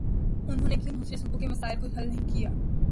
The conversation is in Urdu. انہوں نے کیوں دوسرے صوبوں کے مسائل کو حل نہیں کیا؟